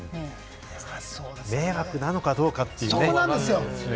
迷惑なのかどうかっていうね。